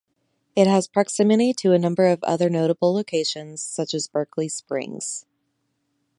It has proximity to a number of other notable locations, such as Berkeley Springs.